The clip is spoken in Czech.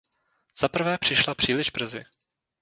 Zaprvé přišla příliš brzy.